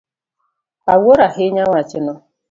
Awuoro ahinya wachno.